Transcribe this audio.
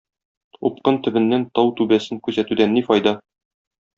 Упкын төбеннән тау түбәсен күзәтүдән ни файда.